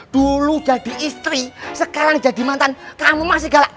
dulu jadi istri sekarang jadi mantan kamu masih galak